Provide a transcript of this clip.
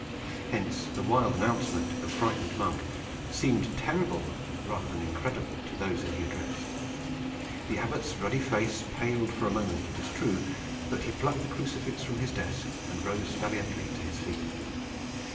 Hence the wild announcement of the frightened monk seemed terrible rather than incredible to those whom he addressed. The Abbot's ruddy face paled for a moment, it is true, but he plucked the crucifix from his desk and rose valiantly to his feet.